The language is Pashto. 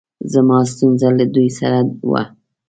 زما ستونره له دوی سره وه